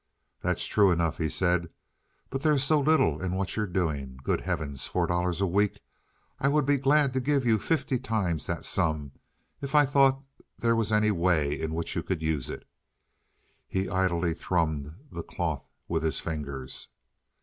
"That's true enough," he said. "But there's so little in what you're doing. Good heavens! Four dollars a week! I would be glad to give you fifty times that sum if I thought there was any way in which you could use it." He idly thrummed the cloth with his fingers.